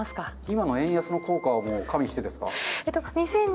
今の円安の効果も加味してですか？